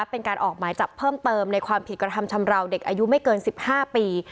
เป็นการออกหมายจับเพิ่มเติมในความผิดกระทำชำราวเด็กอายุไม่เกิน๑๕ปี